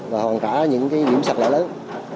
và hoàn cả những điểm sạc lỡ lớn